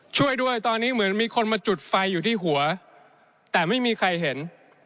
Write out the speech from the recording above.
ช่วยด้วยตอนนี้เหมือนมีคนมาจุดไฟอยู่ที่หัวแต่ไม่มีใครเห็น